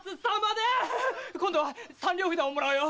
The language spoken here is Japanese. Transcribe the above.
今度は三両札をもらうよ！